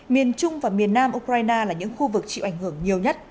miền trung và miền nam ukraine là những khu vực chịu ảnh hưởng nhiều nhất